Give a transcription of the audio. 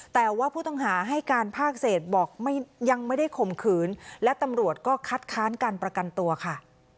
แต่ว่าผู้ต้องหาให้การภาคเศษบอกยังไม่ได้ข่มขืนและตำรวจก็คัดค้านการประกันตัวค่ะ